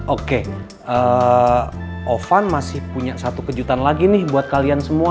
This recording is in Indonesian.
oke ovan masih punya satu kejutan lagi nih buat kalian semua